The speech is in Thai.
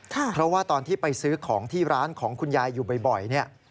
เพราะว่าตอนที่ไปซื้อของที่ร้านของคุณยายอยู่บ่อยเนี่ย